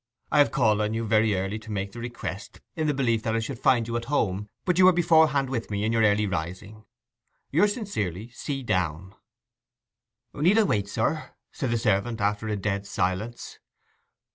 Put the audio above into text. I have called on you very early to make the request, in the belief that I should find you at home; but you are beforehand with me in your early rising.—Yours sincerely, C. Downe.' 'Need I wait, sir?' said the servant after a dead silence.